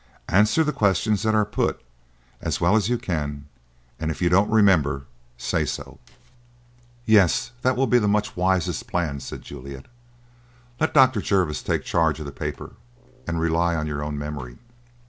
Answer the questions that are put, as well as you can, and if you don't remember, say so." "Yes, that will be much the wisest plan," said Juliet. "Let Dr. Jervis take charge of the paper and rely on your own memory."